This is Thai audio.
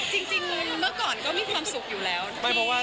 จริงเมื่อก่อนก็มีความสุขอยู่แล้ว